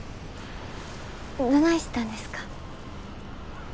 どないしたんですか？